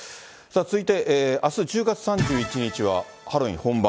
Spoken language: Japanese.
続いてあす１０月３１日はハロウィーン本番。